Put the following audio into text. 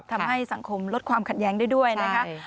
ทำให้สังคมลดความขัดแย้งได้ด้วยนะคะ